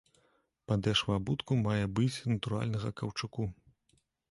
Падэшва абутку мае быць з натуральнага каўчуку.